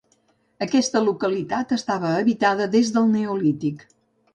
Aquesta localitat estava habitada des del Neolític.